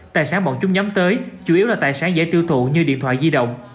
tài sản bọn chúng nhắm tới chủ yếu là tài sản dễ tiêu thụ như điện thoại di động